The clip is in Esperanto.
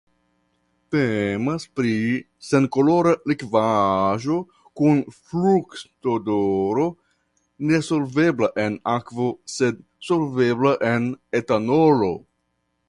Temas pri senkolora likvaĵo kun fruktodoro nesolvebla en akvo sed solvebla en etanolo.